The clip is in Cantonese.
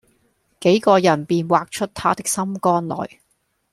幾個人便挖出他的心肝來，